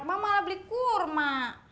emak malah beli kurma